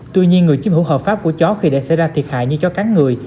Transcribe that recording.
tuy nhiên người chiếm hữu hợp pháp của chó khi để xảy ra thiệt hại như chó cắn người